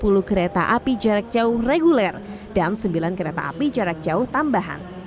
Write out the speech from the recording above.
pemesanan tiket kereta api jerajau reguler dan sembilan kereta api jerajau tambahan